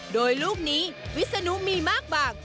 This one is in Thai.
โดยลูกนี้วิศนุมีมากบาง